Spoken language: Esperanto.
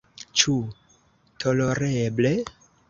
Ĉu tolereble?